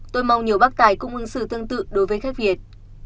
tôi mong nhiều bác tài cũng ứng xử tương tự đối với khách việt